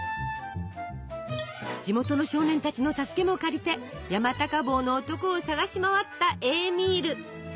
地元の少年たちの助けも借りて山高帽の男を捜し回ったエーミール。